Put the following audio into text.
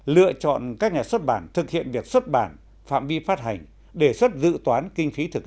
lựa chọn các nhà xuất bản thực hiện việc xuất bản phạm vi phát hành đề xuất dự toán kinh phí thực